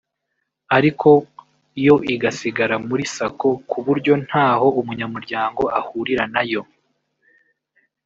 ariko yo igasigara muri Sacco ku buryo nta ho umunyamuryango ahurira na yo